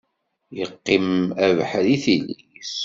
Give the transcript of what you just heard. Yeqqim abeḥri, tili.